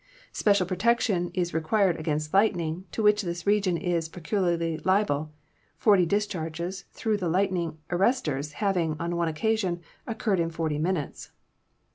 Special pro tection is required against lightning, to which this region is peculiarly liable, 40 discharges through the lightning arresters having, on one occasion, occurred in 40 minutes.